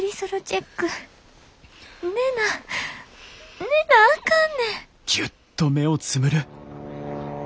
寝な寝なあかんねん。